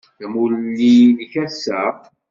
D amulli-nnek ass-a?